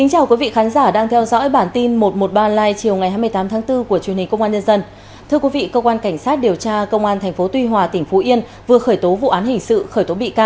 hãy đăng ký kênh để ủng hộ kênh của chúng mình nhé